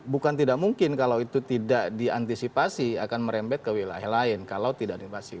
bukan tidak mungkin kalau itu tidak diantisipasi akan merembet ke wilayah lain kalau tidak diapasi